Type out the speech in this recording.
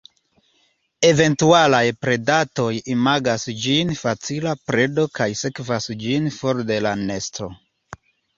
Eventualaj predantoj imagas ĝin facila predo kaj sekvas ĝin for de la nesto.